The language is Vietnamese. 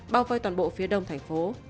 bao vơi toàn bộ phía đông thành phố